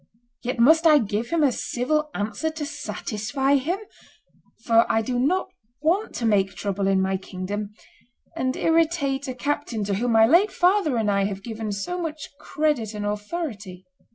Yet must I give him a civil answer to satisfy him; for I do not want to make trouble in my kingdom, and irritate a captain to whom my late father and I have given so much credit and authority."